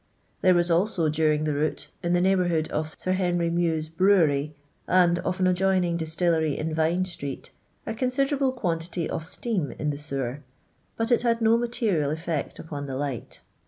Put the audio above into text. There was also during the route, in the neighbourhood of Sir Henry Meux's brewery and of an adjoining distil lery in Vine street» a considerable quantity of iteam in iht sewer, but it had no material effect upon the light.